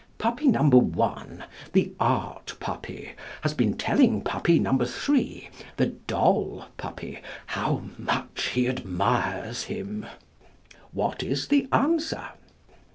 Puppy No. 1 (the Art Puppy) has been telling Puppy No. 3 (the Doll Puppy) how much he admires him. What is the answer?